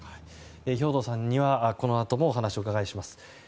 兵頭さんにはこのあともお話をお伺いします。